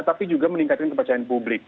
tapi juga meningkatkan kepercayaan publik